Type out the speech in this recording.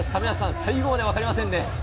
最後まで分かりませんね。